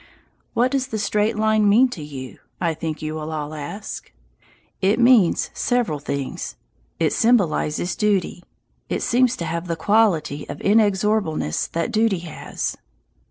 "What does the straight line mean to you?" I think you will ask. It means several things. It symbolizes duty. It seems to have the quality of inexorableness that duty has.